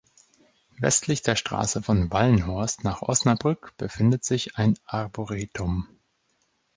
Westlich der Straße von Wallenhorst nach Osnabrück befindet sich ein Arboretum.